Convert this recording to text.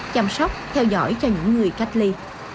chăm sóc theo dõi cho những người cách ly